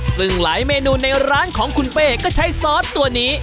ซึ่งหลายเมนูในร้านของคุณเป้ก็ใช้ซอสตัวนี้